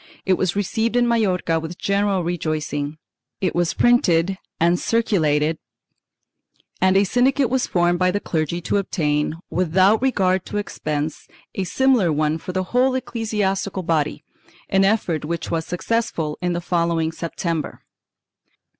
It was received in Majorca with general rejoicing; it w^as printed and circulated and a syndicate was formed by the clergy to obtain, without regard to expense, a similar one for the whole ecclesi astical body, an effort which was successful in the following September.